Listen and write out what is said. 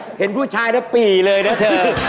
ไม่ใช่ค่ะเห็นผู้ชายแล้วปี่เลยนะเธอ